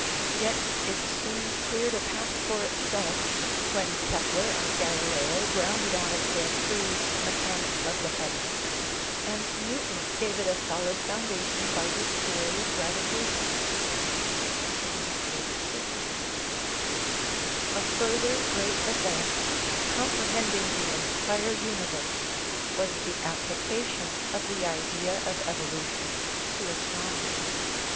Yet it soon cleared a path for itself, when Kepler and Galileo grounded on it their true " mechanics of the heavens," and Newton gave it a solid foundation by his theory of gravitation (1686). A further great advance, comprehending the entire universe, was the application of the idea of evolution to astronomy.